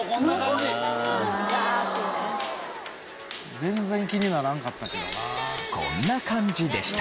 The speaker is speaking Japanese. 全然気にならんかったけどな。